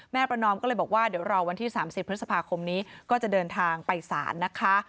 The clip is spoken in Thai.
ประนอมก็เลยบอกว่าเดี๋ยวรอวันที่๓๐พฤษภาคมนี้ก็จะเดินทางไปศาลนะคะ